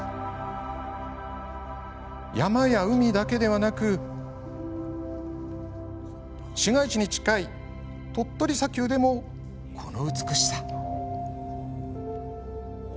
山や海だけではなく市街地に近い鳥取砂丘でもこの美しさ。